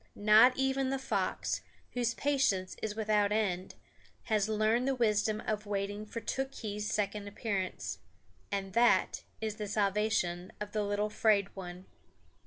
Not even the fox, whose patience is without end, has learned the wisdom of waiting for Tookhees' second appearance. And that is the salvation of the little 'Fraid One.